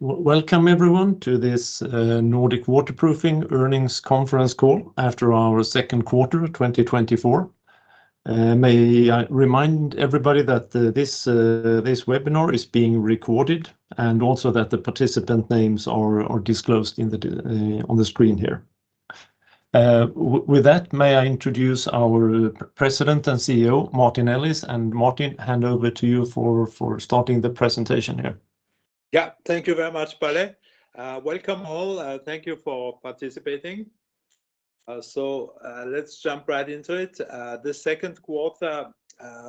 Welcome everyone to this Nordic Waterproofing Earnings Conference Call after our second quarter, 2024. May I remind everybody that this webinar is being recorded, and also that the participant names are disclosed on the screen here. With that, may I introduce our President and CEO, Martin Ellis. Martin, hand over to you for starting the presentation here. Yeah. Thank you very much, Palle. Welcome all, thank you for participating. Let's jump right into it. The second quarter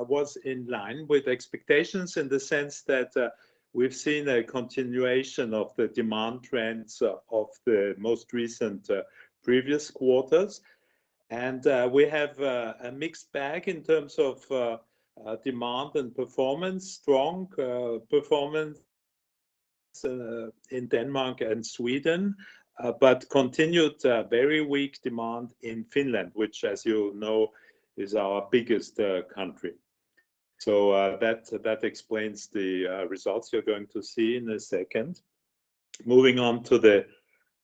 was in line with expectations, in the sense that we've seen a continuation of the demand trends of the most recent previous quarters. We have a mixed bag in terms of demand and performance. Strong performance in Denmark and Sweden, but continued very weak demand in Finland, which, as you know, is our biggest country. That, that explains the results you're going to see in a second. Moving on to the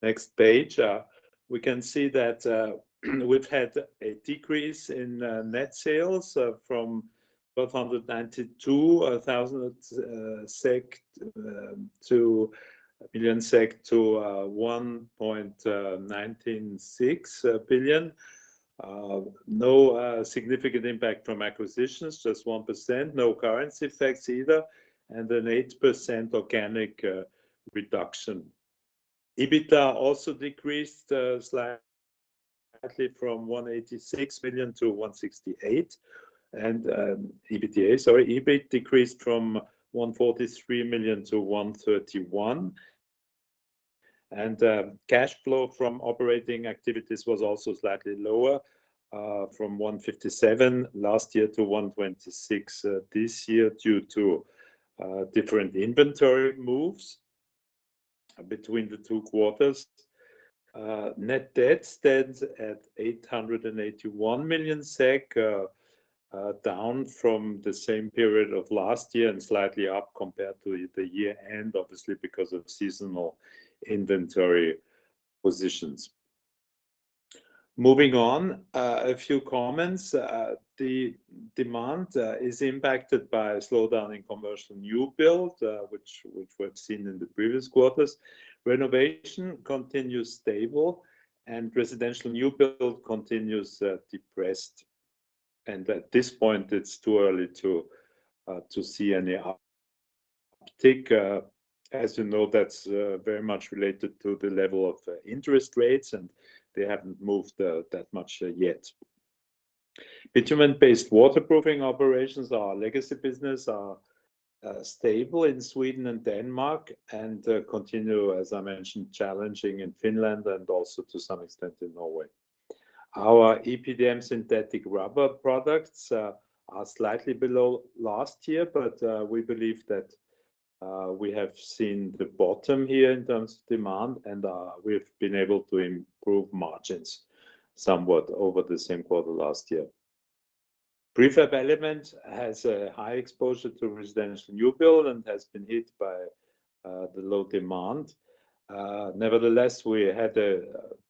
next page, we can see that we've had a decrease in net sales from 1,292 billion SEK to 1.96 billion SEK. No significant impact from acquisitions, just 1%, no currency effects either, and an 8% organic reduction. EBITDA also decreased slightly from 186 million to 168 million, and EBITDA, sorry, EBIT decreased from 143 million to 131 million. And cash flow from operating activities was also slightly lower from 157 million last year to 126 million this year, due to different inventory moves between the two quarters. Net debt stands at 881 million SEK, down from the same period of last year and slightly up compared to the year-end, obviously, because of seasonal inventory positions. Moving on, a few comments. The demand is impacted by a slowdown in commercial new build, which we've seen in the previous quarters. Renovation continues stable, and residential new build continues depressed, and at this point, it's too early to see any uptick. As you know, that's very much related to the level of interest rates, and they haven't moved that much yet. Bitumen-based waterproofing operations, our legacy business, are stable in Sweden and Denmark, and continue, as I mentioned, challenging in Finland and also to some extent in Norway. Our EPDM synthetic rubber products are slightly below last year, but we believe that we have seen the bottom here in terms of demand, and we've been able to improve margins somewhat over the same quarter last year. Prefab element has a high exposure to residential new build and has been hit by the low demand. Nevertheless, we had a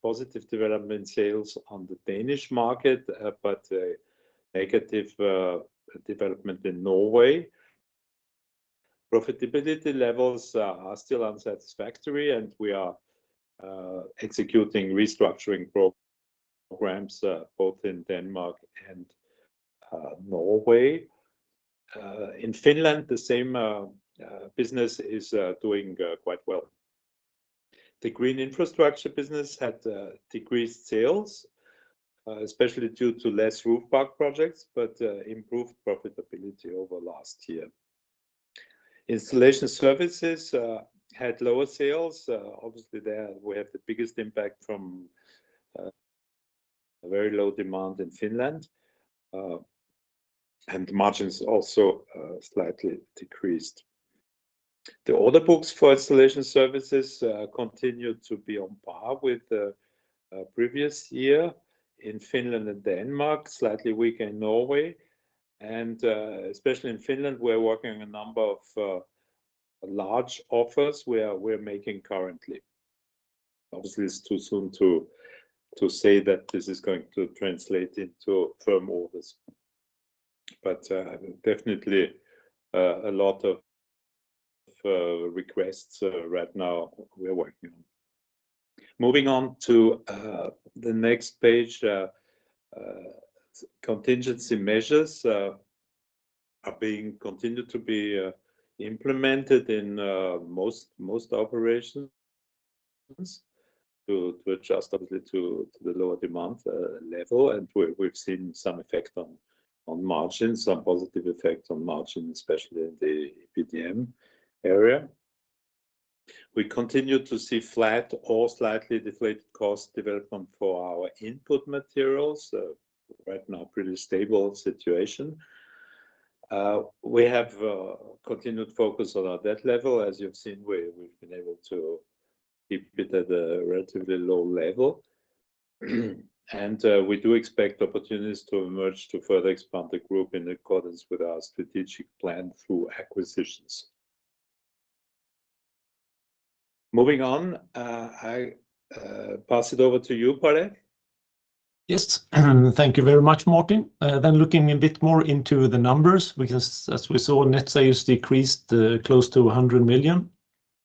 positive development in sales on the Danish market, but a negative development in Norway. Profitability levels are still unsatisfactory, and we are executing restructuring programs both in Denmark and Norway. In Finland, the same business is doing quite well. The green infrastructure business had decreased sales, especially due to less rooftop projects, but improved profitability over last year. Installation services had lower sales. Obviously, there we have the biggest impact from very low demand in Finland, and margins also slightly decreased. The order books for installation services continued to be on par with the previous year in Finland and Denmark, slightly weaker in Norway. And especially in Finland, we're working on a number of large offers we're making currently. Obviously, it's too soon to say that this is going to translate into firm orders, but definitely a lot of requests right now we're working on. Moving on to the next page. Contingency measures continue to be implemented in most operations to adjust obviously to the lower demand level, and we've seen some effect on margins, some positive effects on margins, especially in the EPDM area. We continue to see flat or slightly deflated cost development for our input materials right now, pretty stable situation. We have continued focus on our debt level. As you've seen, we've been able to keep it at a relatively low level. We do expect opportunities to emerge to further expand the group in accordance with our strategic plan through acquisitions. Moving on, I pass it over to you, Palle. Yes, thank you very much, Martin. Then looking a bit more into the numbers, because as we saw, net sales decreased close to 100 million,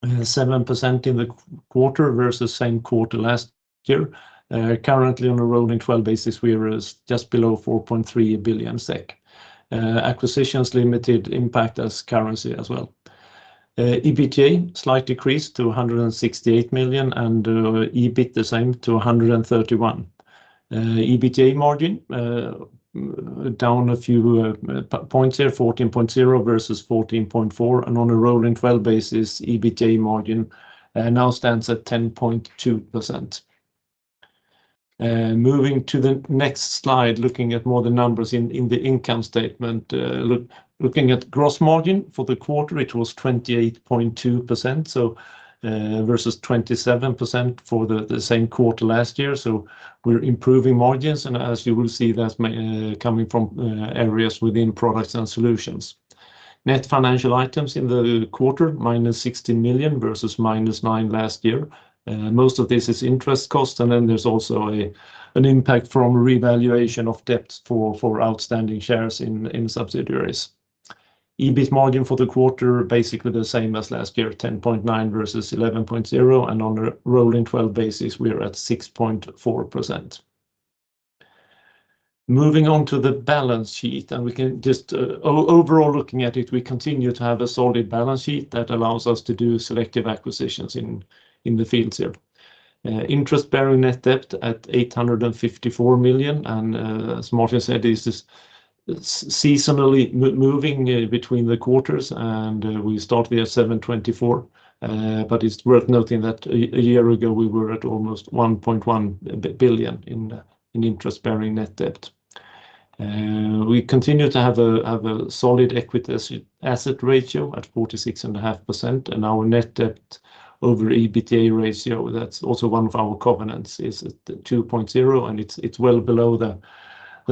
7% in the quarter versus same quarter last year. Currently, on a rolling twelve basis, we are just below 4.3 billion SEK. Acquisitions limited impact as currency as well. EBITDA, slight decrease to 168 million, and EBIT the same to 131 million. EBITDA margin down a few points here, 14.0% versus 14.4%, and on a rolling twelve basis, EBITDA margin now stands at 10.2%. Moving to the next slide, looking at more the numbers in the income statement. Looking at gross margin for the quarter, it was 28.2%, so versus 27% for the same quarter last year. So we're improving margins, and as you will see, that's coming from areas within Products and solutions. Net financial items in the quarter, -16 million versus -9 million last year. Most of this is interest cost, and then there's also an impact from revaluation of debt for outstanding shares in subsidiaries. EBIT margin for the quarter, basically the same as last year, 10.9 versus 11.0, and on a rolling twelve basis, we are at 6.4%. Moving on to the balance sheet, and we can just. Overall, looking at it, we continue to have a solid balance sheet that allows us to do selective acquisitions in, in the fields here. Interest-bearing net debt at 854 million, and, as Martin said, this is seasonally moving, between the quarters, and, we start here at 724 million. But it's worth noting that a, a year ago, we were at almost 1.1 billion in, in interest-bearing net debt. We continue to have a, have a solid equity asset ratio at 46.5%, and our net debt over EBITDA ratio, that's also one of our covenants, is at 2.0, and it's, it's well below the, the,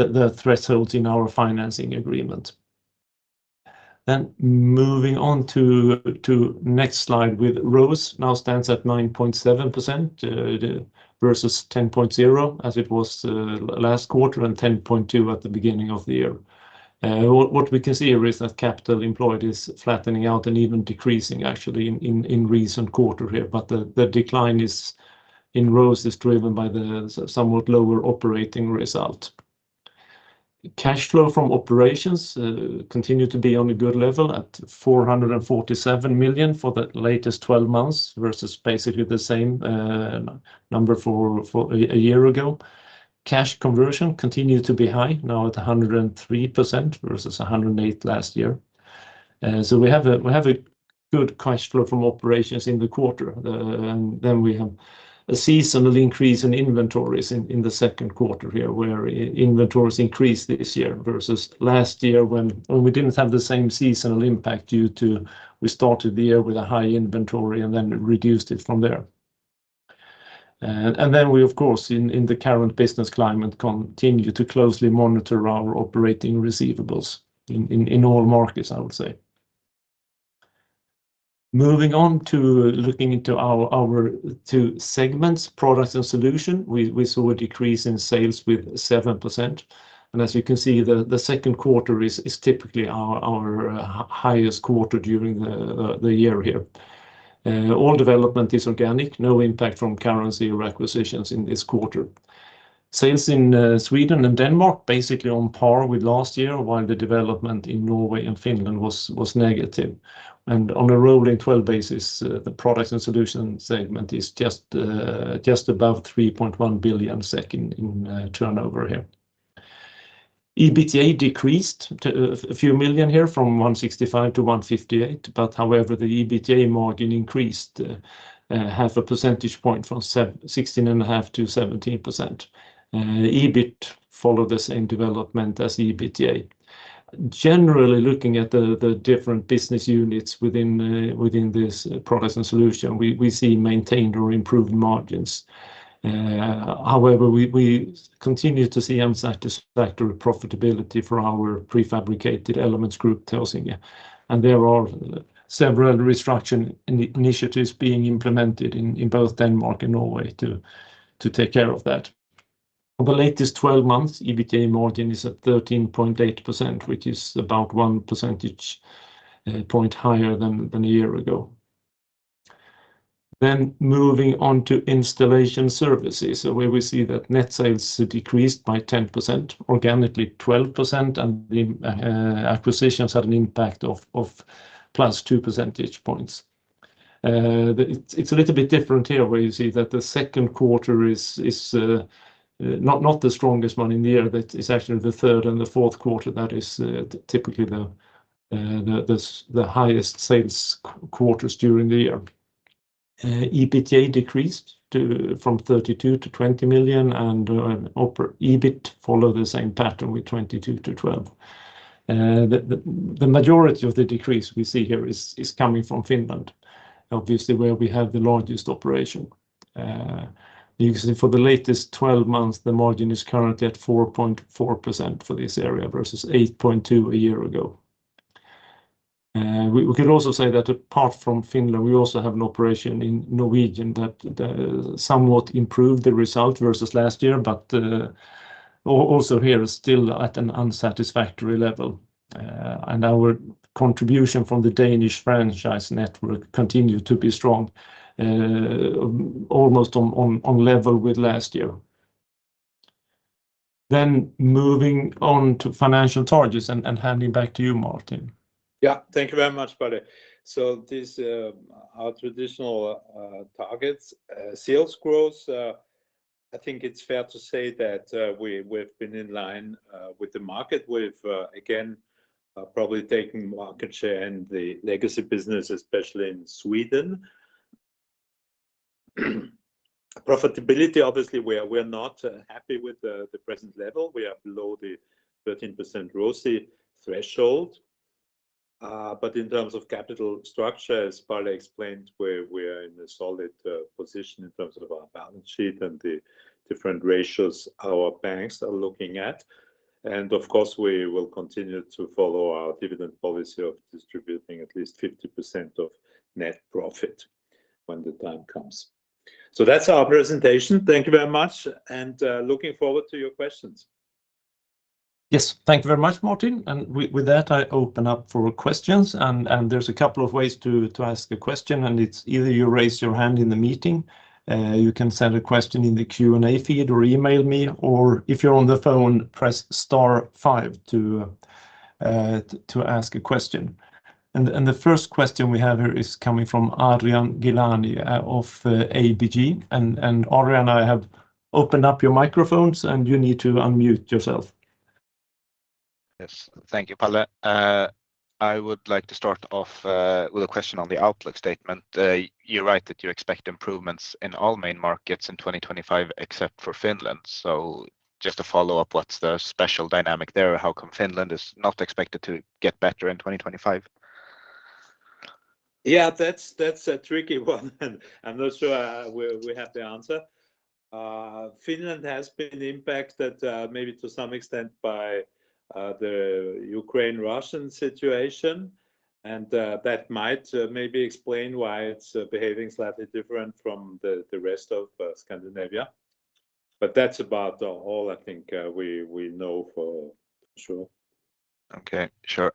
the thresholds in our financing agreement. Then moving on to next slide with ROCE now stands at 9.7%, versus 10.0%, as it was last quarter, and 10.2% at the beginning of the year. What we can see here is that capital employed is flattening out and even decreasing, actually, in recent quarter here, but the decline in ROCE is driven by the somewhat lower operating result. Cash flow from operations continue to be on a good level at 447 million for the latest twelve months, versus basically the same number for a year ago. Cash conversion continued to be high, now at 103% versus 108% last year. So we have a good cash flow from operations in the quarter. And then we have a seasonal increase in inventories in the second quarter here, where inventories increased this year versus last year, when we didn't have the same seasonal impact due to we started the year with a high inventory and then reduced it from there. And then we, of course, in the current business climate, continue to closely monitor our operating receivables in all markets, I would say. Moving on to looking into our two segments, Products and Solutions, we saw a decrease in sales with 7%. And as you can see, the second quarter is typically our highest quarter during the year here. All development is organic, no impact from currency or acquisitions in this quarter. Sales in Sweden and Denmark, basically on par with last year, while the development in Norway and Finland was negative. On a rolling twelve basis, the Products and Solutions segment is just above 3.1 billion in turnover here. EBITDA decreased to a few million here, from 165 million to 158 million, but however, the EBITDA margin increased half a percentage point from 16.5% to 17%. EBIT followed the same development as EBITDA. Generally, looking at the different business units within this Products and Solutions, we see maintained or improved margins. However, we continue to see unsatisfactory profitability for our prefabricated elements group, Taasinge. There are several restructuring initiatives being implemented in both Denmark and Norway to take care of that. For the latest 12 months, EBITDA margin is at 13.8%, which is about one percentage point higher than a year ago. Then moving on to Installation Services, where we see that net sales decreased by 10%, organically 12%, and acquisitions had an impact of plus two percentage points. It's a little bit different here, where you see that the second quarter is not the strongest one in the year. That is actually the third and the fourth quarter. That is typically the highest sales quarters during the year. EBITDA decreased from 32 million to 20 million, and EBIT followed the same pattern with 22 million to 12 million. The majority of the decrease we see here is coming from Finland, obviously, where we have the largest operation. You can see for the latest 12 months, the margin is currently at 4.4% for this area, versus 8.2% a year ago. We could also say that apart from Finland, we also have an operation in Norway that somewhat improved the result versus last year, but also here is still at an unsatisfactory level. And our contribution from the Danish franchise network continued to be strong, almost on level with last year. Then moving on to financial targets and handing back to you, Martin. Yeah. Thank you very much, Palle. So this, our traditional targets, sales growth, I think it's fair to say that, we, we've been in line with the market. We've again probably taken market share in the legacy business, especially in Sweden. Profitability, obviously, we are, we're not happy with the present level. We are below the 13% ROCE threshold. But in terms of capital structure, as Palle explained, we're, we are in a solid position in terms of our balance sheet and the different ratios our banks are looking at. And of course, we will continue to follow our dividend policy of distributing at least 50% of net profit when the time comes. So that's our presentation. Thank you very much, and looking forward to your questions. Yes, thank you very much, Martin. And with that, I open up for questions, and there's a couple of ways to ask a question, and it's either you raise your hand in the meeting, you can send a question in the Q&A feed or email me, or if you're on the phone, press star five to ask a question. And the first question we have here is coming from Adrian Gilani of ABG. And Adrian, I have opened up your microphones, and you need to unmute yourself. Yes. Thank you, Palle. I would like to start off with a question on the outlook statement. You write that you expect improvements in all main markets in 2025, except for Finland. So just to follow up, what's the special dynamic there? How come Finland is not expected to get better in 2025? Yeah, that's a tricky one, and I'm not sure we have the answer. Finland has been impacted, maybe to some extent by the Ukraine-Russia situation, and that might maybe explain why it's behaving slightly different from the rest of Scandinavia. But that's about all I think we know for sure. Okay. Sure.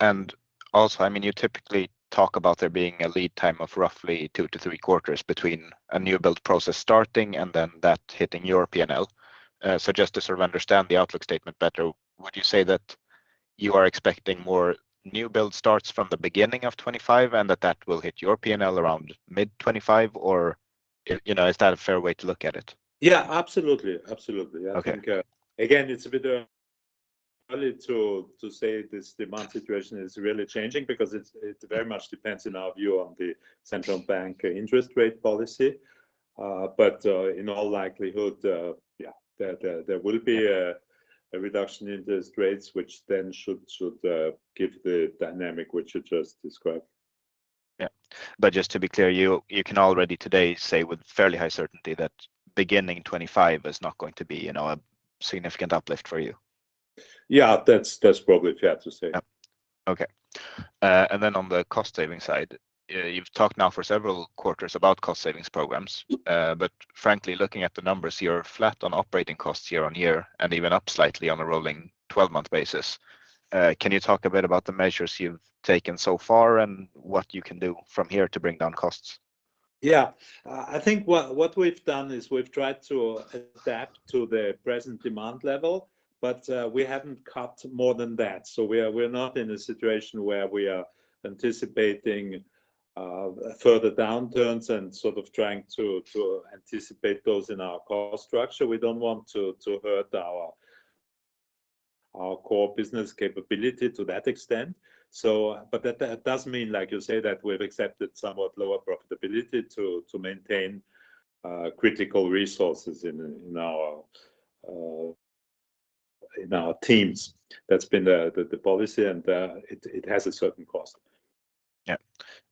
And also, I mean, you typically talk about there being a lead time of roughly two to three quarters between a new build process starting and then that hitting your PNL. So just to sort of understand the outlook statement better, would you say that you are expecting more new build starts from the beginning of 2025 and that that will hit your PNL around mid-2025, or, you know, is that a fair way to look at it? Yeah, absolutely. Absolutely. Okay. Yeah, I think, again, it's a bit early to say this demand situation is really changing because it very much depends, in our view, on the central bank interest rate policy. But, in all likelihood, yeah, there will be a reduction in interest rates, which then should give the dynamic which you just described. Yeah. But just to be clear, you, you can already today say with fairly high certainty that beginning 2025 is not going to be, you know, a significant uplift for you? Yeah. That's, that's probably fair to say. Yeah. Okay. And then on the cost saving side, you've talked now for several quarters about cost savings programs. Yep. But frankly, looking at the numbers, you're flat on operating costs year on year and even up slightly on a rolling 12-month basis. Can you talk a bit about the measures you've taken so far and what you can do from here to bring down costs? Yeah. I think what we've done is we've tried to adapt to the present demand level, but we haven't cut more than that. So we are, we're not in a situation where we are anticipating further downturns and sort of trying to anticipate those in our cost structure. We don't want to hurt our core business capability to that extent. But that does mean, like you say, that we've accepted somewhat lower profitability to maintain critical resources in our teams. That's been the policy, and it has a certain cost. Yeah.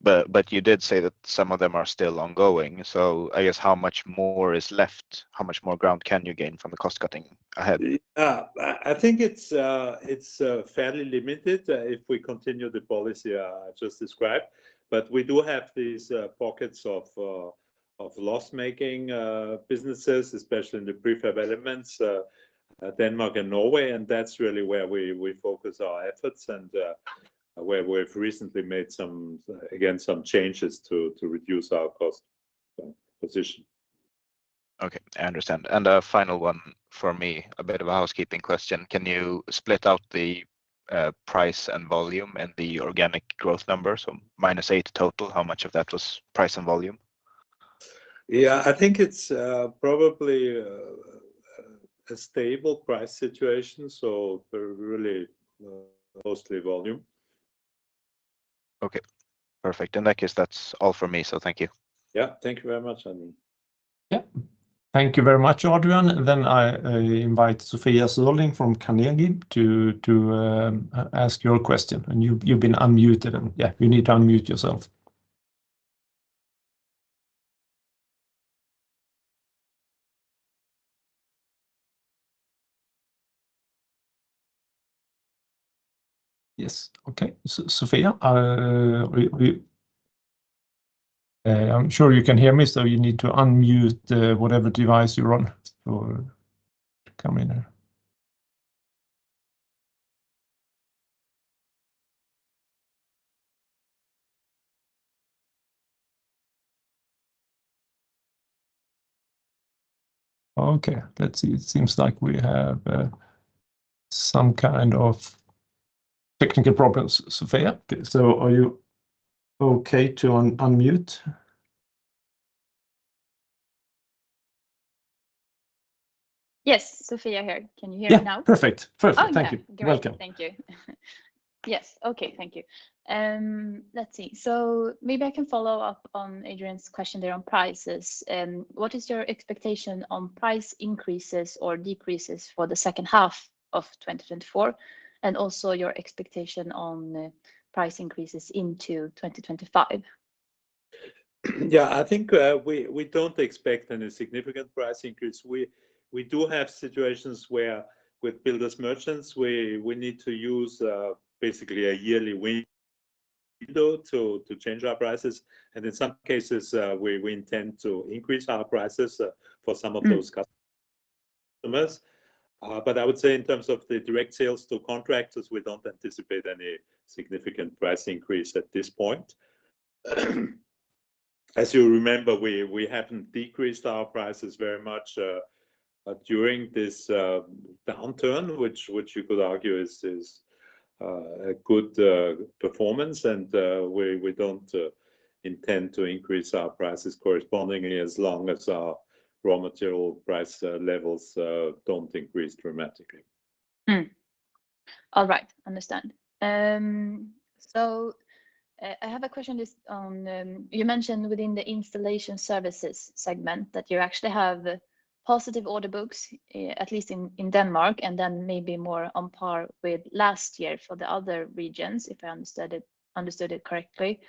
But, but you did say that some of them are still ongoing, so I guess, how much more is left? How much more ground can you gain from the cost-cutting ahead? I think it's fairly limited if we continue the policy I just described, but we do have these pockets of loss-making businesses, especially in the prefab elements, Denmark and Norway, and that's really where we focus our efforts and where we've recently made some, again, some changes to reduce our cost position. Okay, I understand. And a final one for me, a bit of a housekeeping question: Can you split out the price and volume and the organic growth numbers? So minus eight total, how much of that was price and volume? Yeah, I think it's probably a stable price situation, so really mostly volume. Okay, perfect. In that case, that's all from me, so thank you. Yeah, thank you very much, Adrian. Yeah. Thank you very much, Adrian. Then I invite Sofia Sörling from Carnegie to ask your question, and you've been unmuted, and yeah, you need to unmute yourself. Yes. Okay, Sofia, I'm sure you can hear me, so you need to unmute whatever device you're on for coming in. Okay, let's see. It seems like we have some kind of technical problems, Sofia. So are you okay to unmute? Yes, Sofia here. Can you hear me now? Yeah, perfect. Perfect. Oh, yeah. Thank you. Welcome. Thank you. Yes. Okay, thank you. Let's see. So maybe I can follow up on Adrian's question there on prices. What is your expectation on price increases or decreases for the second half of 2024, and also your expectation on the price increases into 2025? Yeah, I think we don't expect any significant price increase. We do have situations where with builders merchants, we need to use basically a yearly window to change our prices, and in some cases, we intend to increase our prices for some of those customers. But I would say in terms of the direct sales to contractors, we don't anticipate any significant price increase at this point. As you remember, we haven't decreased our prices very much during this downturn, which you could argue is a good performance, and we don't intend to increase our prices correspondingly as long as our raw material price levels don't increase dramatically. All right. Understood. So, I have a question just on... You mentioned within the Installation Services segment that you actually have positive order books, at least in Denmark, and then maybe more on par with last year for the other regions, if I understood it correctly.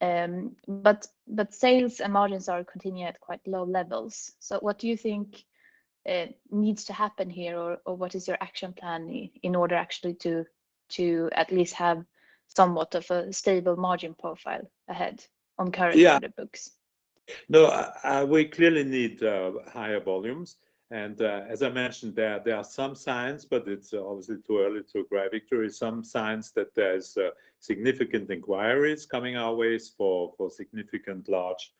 But sales and margins are continuing at quite low levels. So what do you think needs to happen here, or what is your action plan in order actually to at least have somewhat of a stable margin profile ahead on current order books? No, we clearly need higher volumes, and as I mentioned, there are some signs, but it's obviously too early to grab victory. Some signs that there's significant inquiries coming our way for significant large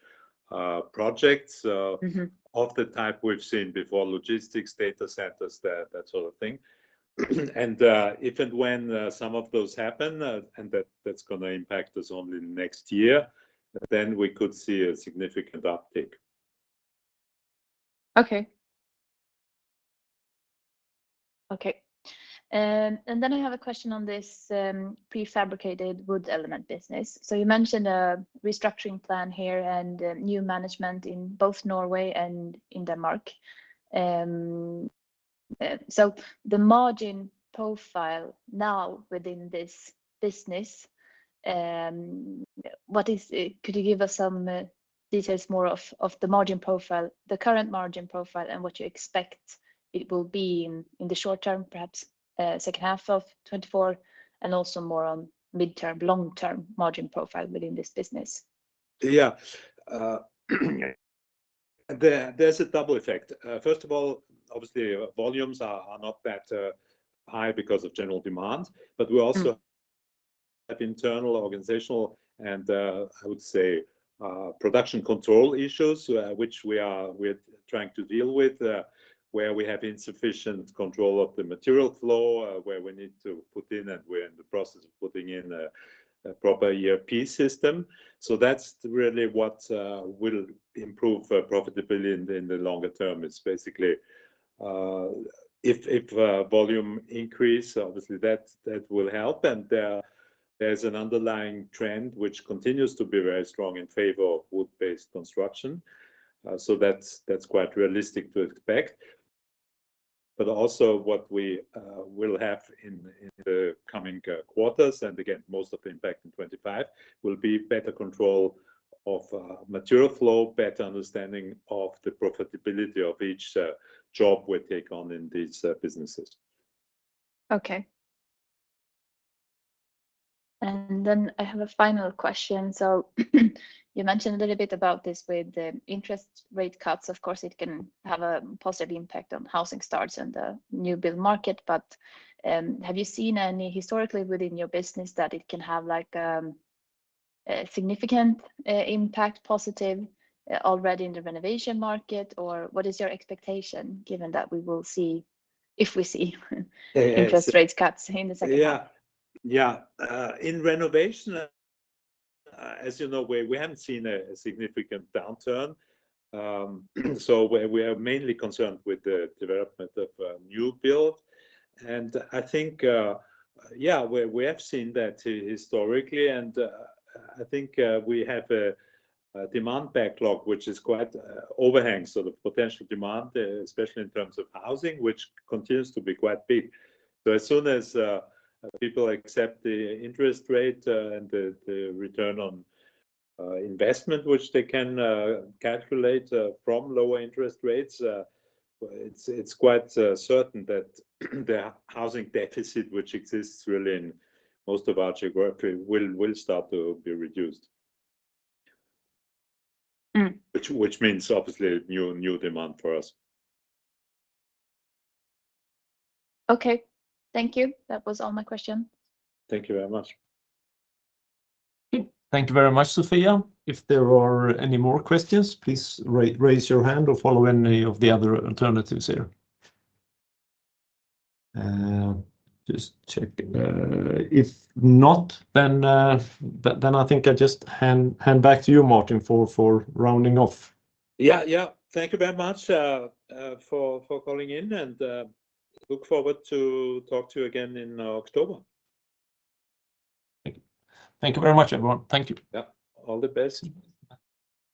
projects of the type we've seen before, logistics, data centers, that, that sort of thing. And, if and when, some of those happen, and that's gonna impact us only next year, then we could see a significant uptick. Okay. Okay, and then I have a question on this, prefabricated wood element business. So you mentioned a restructuring plan here and a new management in both Norway and in Denmark. So the margin profile now within this business, what is it? Could you give us some details more of the margin profile, the current margin profile, and what you expect it will be in the short term, perhaps second half of 2024, and also more on midterm, long-term margin profile within this business? Yeah. There, there's a double effect. First of all, obviously, volumes are not that high because of general demand but we also have internal organizational and, I would say, production control issues, which we are, we're trying to deal with, where we have insufficient control of the material flow, where we need to put in, and we're in the process of putting in a proper ERP system. So that's really what will improve profitability in the longer term. It's basically, if volume increase, obviously that will help, and there's an underlying trend which continues to be very strong in favor of wood-based construction. So that's quite realistic to expect. But also, what we will have in the coming quarters, and again, most of the impact in 2025, will be better control of material flow, better understanding of the profitability of each job we take on in these businesses. Okay. And then I have a final question. So you mentioned a little bit about this with the interest rate cuts. Of course, it can have a positive impact on housing starts and the new build market, but have you seen any historically within your business that it can have, like, a significant impact, positive, already in the renovation market, or what is your expectation, given that we will see? Yeah, yeah Interest rate cuts in the second half? Yeah. Yeah. In renovation, as you know, we haven't seen a significant downturn. So we are mainly concerned with the development of new build, and I think, yeah, we have seen that historically, and I think we have a demand backlog, which is quite overhang. So the potential demand, especially in terms of housing, which continues to be quite big. So as soon as people accept the interest rate and the return on investment, which they can calculate from lower interest rates, it's quite certain that the housing deficit, which exists really in most of our geography, will start to be reduced. Which means obviously new demand for us. Okay. Thank you. That was all my question. Thank you very much. Okay. Thank you very much, Sofia. If there are any more questions, please raise your hand or follow any of the other alternatives here. Just checking. If not, then I think I just hand back to you, Martin, for rounding off. Yeah, yeah. Thank you very much for calling in, and look forward to talk to you again in October. Thank you. Thank you very much, everyone. Thank you. Yeah. All the best, and bye.